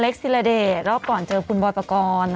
อเล็กซิลาเดชรอบก่อนเจอคุณบอตกร